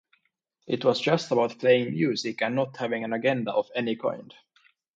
It was just about playing music and not having an agenda of any kind.